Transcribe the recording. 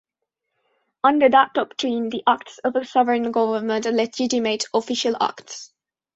Under that doctrine, the acts of a sovereign government are legitimate, official acts.